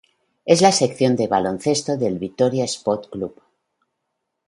Es la sección de baloncesto del Vitória Sport Clube.